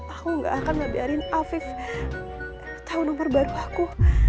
aku enggak akan membiarkan afif tahu nomor baru aku